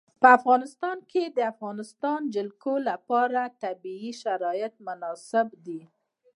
په افغانستان کې د د افغانستان جلکو لپاره طبیعي شرایط مناسب دي.